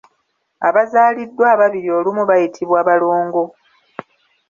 Abazaaliddwa ababiri olumu bayitibwa balongo.